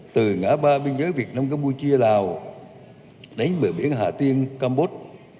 từ ngã ba biên giới việt nam campuchia lào đến bờ biển hà tiên campuch